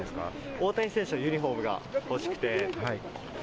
大谷選手のユニホームが欲しくて。